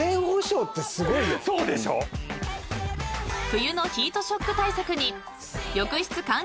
［冬のヒートショック対策に］